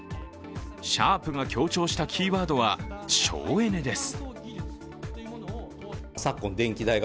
シャープが強調したキーワードは「省エネ」です